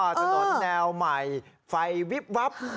อ๋อถนนแนวใหม่ไฟหวี๊บวับ